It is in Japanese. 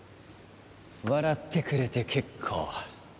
笑ってくれて結構。